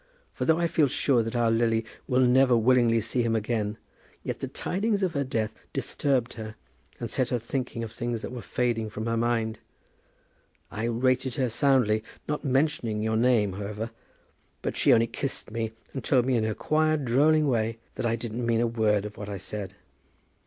For though I feel sure that our Lily will never willingly see him again, yet the tidings of her death disturbed her, and set her thinking of things that were fading from her mind. I rated her soundly, not mentioning your name, however; but she only kissed me, and told me in her quiet drolling way that I didn't mean a word of what I said.